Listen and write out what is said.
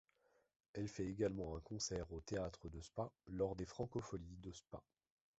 Elle fait également un concert au théâtre de Spa lors des Francofolies de Spa.